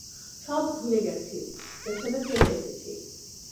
সব ভুলে গেছি, পেছনে ফেলে এসেছি।